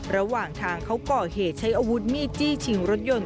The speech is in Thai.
ระหว่างทางเขาก่อเหตุใช้อาวุธมีดจี้ชิงรถยนต์